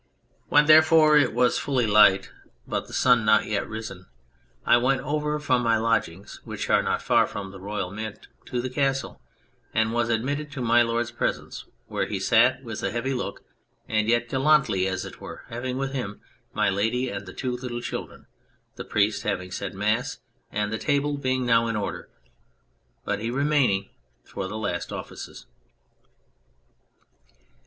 When therefore it was fully light, but the sun not 92 A Secret Letter yet risen, I went over from my lodgings (which are not far from the Royal Mint) to the Castle, and was admitted to My Lord's presence, where he sat with a heavy look, and yet gallantly as it were, having with him My Lady and the two little children, the Priest having said Mass and the table being now in order, but he remaining for the last Offices.